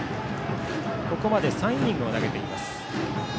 ここまで３イニングを投げています。